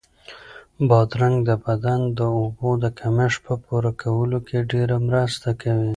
بادرنګ د بدن د اوبو د کمښت په پوره کولو کې ډېره مرسته کوي.